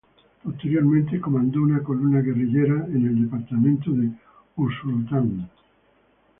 Posteriormente, comandó una columna guerrillera en el departamento de Usulután.